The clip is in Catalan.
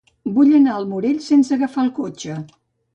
Vull anar al Morell sense agafar el cotxe.